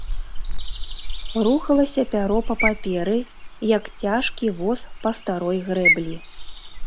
Рухалася пяро па паперы, як цяжкі воз па старой грэблі.